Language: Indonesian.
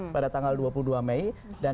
pada tanggal dua puluh dua mei dan